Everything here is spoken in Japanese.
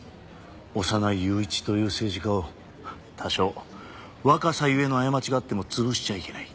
小山内雄一という政治家を多少若さ故の過ちがあっても潰しちゃいけない。